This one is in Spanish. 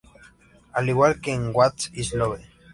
Al igual que en "What is love?